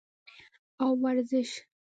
او ورزش